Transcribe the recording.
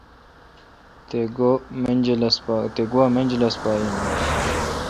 تے گوا منجلس پا این آں؟